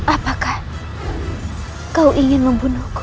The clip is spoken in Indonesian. apakah kau ingin membunuhku